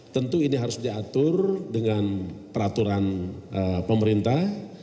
tentu ini harus diatur dengan peraturan pemerintah